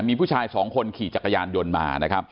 มีผู้ชายสองคนขี่จักรยานยนต์มานะครับ